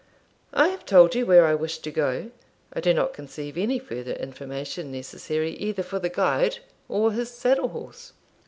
'I have told you where I wish to go; I do not conceive any further information necessary either for the guide or his saddle horse.'